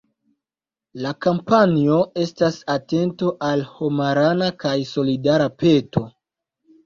La kampanjo estas atento al homarana kaj solidara peto.